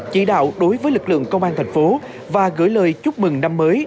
chỉ đạo đối với lực lượng công an thành phố và gửi lời chúc mừng năm mới